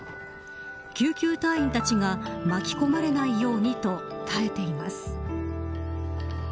救急隊員たちが巻き込まれないようにと耐えています。